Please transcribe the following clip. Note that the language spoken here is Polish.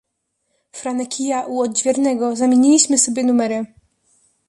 "Franek i ja u odźwiernego zamieniliśmy sobie numery“."